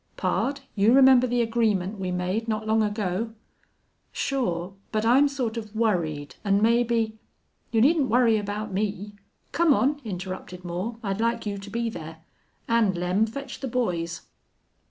Pard, you remember the agreement we made not long ago?" "Sure. But I'm sort of worried, an' maybe " "You needn't worry about me. Come on," interrupted Moore. "I'd like you to be there. And, Lem, fetch the boys."